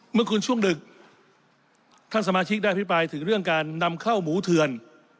เมื่อคืนช่วงดึกท่านสมาชิกได้อภิปรายถึงเรื่องการนำเข้าหมูเถื่อน